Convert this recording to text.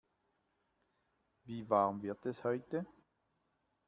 Wie warm wird es heute?